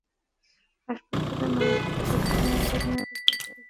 হাসপাতালের মালামাল কিছু সরিয়ে নেওয়া হয়েছে, বেশির ভাগই চুরি হয়ে গেছে।